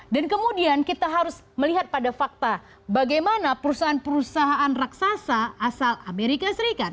dan kemudian kita harus melihat pada fakta bagaimana perusahaan perusahaan raksasa asal amerika serikat